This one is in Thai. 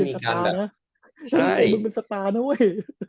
เห็นมึงมันเป็นสตาร์นะเว้ย